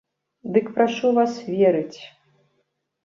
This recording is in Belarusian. Дык прашу вас верыць.